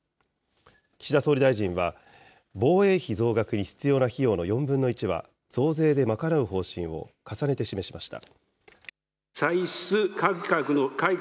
岸田総理大臣は、防衛費増額に必要な費用の４分の１は増税で賄う方針を重ねて示しました。